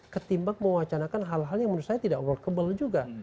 ketimbang mewacanakan hal hal yang menurut saya tidak workable juga